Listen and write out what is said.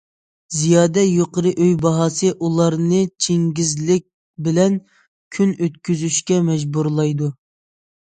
زىيادە يۇقىرى ئۆي باھاسى ئۇلارنى چىڭگىزلىك بىلەن كۈن ئۆتكۈزۈشكە مەجبۇرلايدۇ.